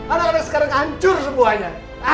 anak anak sekarang hancur semuanya